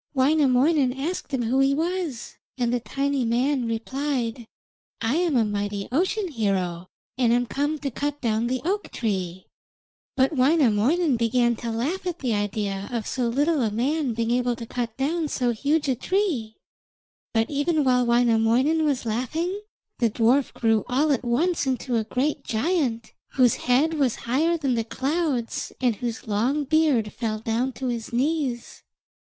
Wainamoinen asked him who he was, and the tiny man replied: 'I am a mighty ocean hero, and am come to cut down the oak tree.' But Wainamoinen began to laugh at the idea of so little a man being able to cut down so huge a tree. But even while Wainamoinen was laughing, the dwarf grew all at once into a great giant, whose head was higher than the clouds, and whose long beard fell down to his knees.